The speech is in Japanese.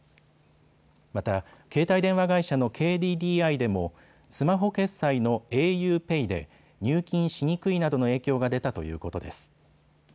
また携帯電話会社のＫＤＤＩでもスマホ決済のａｕＰＡＹで入金しにくいなどの影響が出たということです。